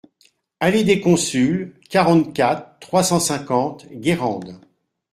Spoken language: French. Allée des Consuls, quarante-quatre, trois cent cinquante Guérande